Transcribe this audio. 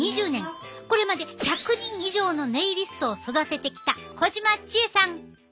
これまで１００人以上のネイリストを育ててきた児島ちえさん！